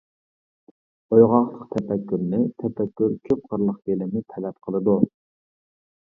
ئويغاقلىق تەپەككۇرنى، تەپەككۇر كۆپ قىرلىق بىلىمنى تەلەپ قىلىدۇ.